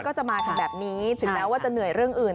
ก็จะมาถึงแบบนี้ถึงแม้ว่าจะเหนื่อยเรื่องอื่น